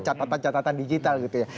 catatan catatan digital gitu ya